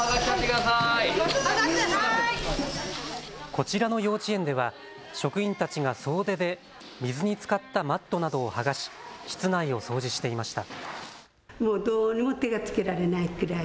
こちらの幼稚園では職員たちが総出で水につかったマットなどを剥がし室内を掃除していました。